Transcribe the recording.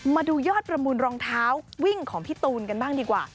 มาดูยอดประมูลรองเท้าวิ่งของพี่ตูนกันบ้างดีกว่า